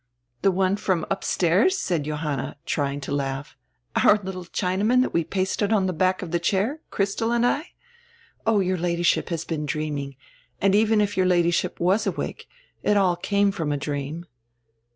"The one from upstairs!" said Johanna, trying to laugh, "our little Chinaman diat we pasted on die back of die chair, Christel and I? Oh, your Ladyship has been dreaming, and even if your Ladyship was awake, it all came from a dream."